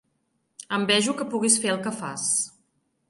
Envejo que puguis fer el que fas.